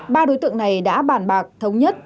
ba đối tượng này đã bàn bạc thống nhất